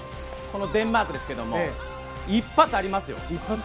このデンマークですけど一発ありますよ。